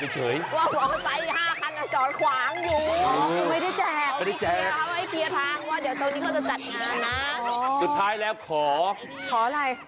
สุดท้ายแล้วขอขออะไร